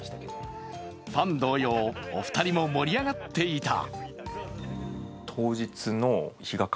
ファン同様、お二人も盛り上がっていた。